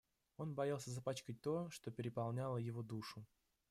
Он боялся запачкать то, что переполняло его душу.